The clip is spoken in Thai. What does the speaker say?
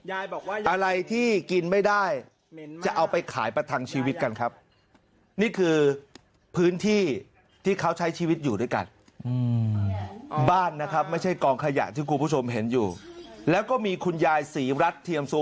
อะไรที่กินไม่ได้จะเอาไปขายประทังชีวิตกันครับนี่คือพื้นที่ที่เขาใช้ชีวิตอยู่ด้วยกันบ้านนะครับไม่ใช่กองขยะที่คุณผู้ชมเห็นอยู่แล้วก็มีคุณยายศรีรัฐเทียมสุ